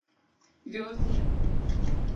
秒針